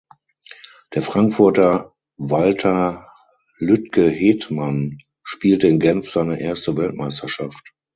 Der Frankfurter Walter Lütgehetmann spielte in Genf seine erste Weltmeisterschaft.